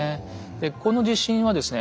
でこの地震はですね